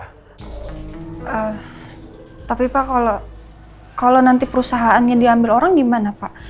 tapi pak kalau nanti perusahaannya diambil orang gimana pak